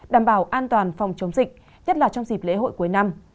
đảm bảo an toàn phòng chống dịch nhất là trong dịp lễ hội cuối năm